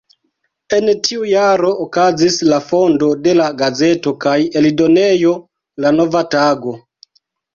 En tiu jaro okazis la fondo de la gazeto kaj eldonejo "La Nova Tago".